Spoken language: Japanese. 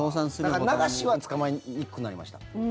だから、流しはつかまえにくくなりました。